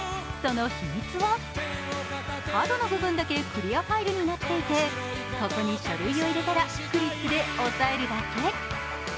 その秘密は角の部分だけクリアファイルになっていてここに書類を入れたら、クリップで押さえるだけ。